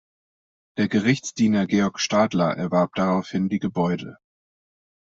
Der Gerichtsdiener Georg Stadler erwarb daraufhin die Gebäude.